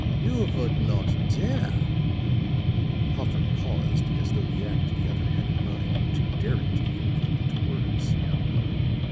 "You would not dare " Hoffer paused as though the act the other had in mind were too daring to even put into words.